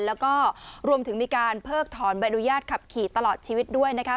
แล้วก็รวมถึงมีการเพิกถอนใบอนุญาตขับขี่ตลอดชีวิตด้วยนะคะ